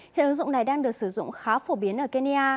hiện ứng dụng này đang được sử dụng khá phổ biến ở kenya